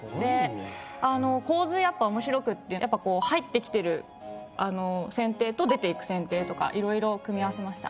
やっぱこう入ってきてる舟艇と出ていく舟艇とかいろいろ組み合わせました。